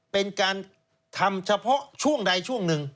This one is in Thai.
เป็นการทำเฉพาะช่วงใดช่วงหนึ่ง